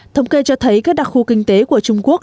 thống kê cho thấy các đặc khu kinh tế của trung quốc